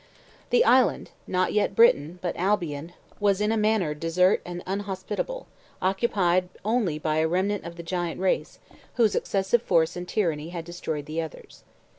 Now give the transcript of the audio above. The island, not yet Britain, but Albion, was in a manner desert and inhospitable, occupied only by a remnant of the giant race whose excessive force and tyranny had destroyed the others.